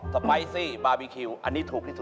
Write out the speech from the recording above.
สไปซี่บาร์บีมีคิว